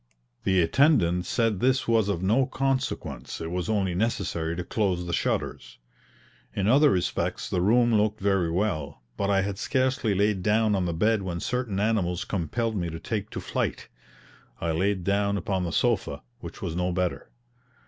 The attendant said this was of no consequence, it was only necessary to close the shutters. In other respects the room looked very well but I had scarcely laid down on the bed when certain animals compelled me to take to flight. I laid down upon the sofa, which was no better.